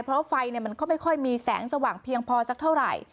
เพราะไฟมันก็ไม่ค่อยมีแสงสว่างเพียงพอสักเท่าไหร่